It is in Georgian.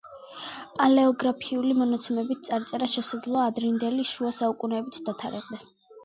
პალეოგრაფიული მონაცემებით წარწერა შესაძლოა ადრინდელი შუა საუკუნეებით დათარიღდეს.